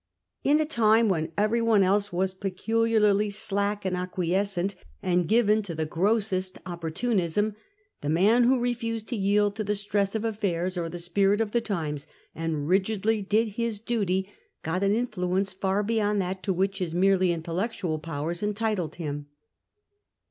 In a time when every one else was peculiarly slack and acquiescent, and given to the grossest opportunism, the man who refused to yield to the stress of affairs or the spirit of the times, and rigidly did his duty, got an influence far beyond that to which his merely intellectual powers entitled him.